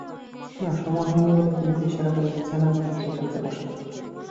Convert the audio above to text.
না সময় হয় নি বলে কুমুকে ইশারা করে বিছানার পাশের চৌকিতে বসালে।